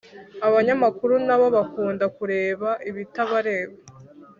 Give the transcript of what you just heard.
abanyamakuru na bo bakunda kureba ibitabareba